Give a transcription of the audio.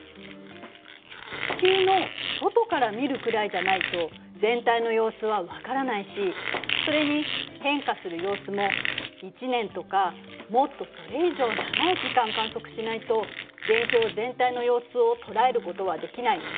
地球の外から見るくらいじゃないと全体の様子は分からないしそれに変化する様子も１年とかもっとそれ以上長い時間観測しないと現象全体の様子を捉えることはできないよね。